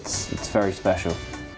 itu sangat menyenangkan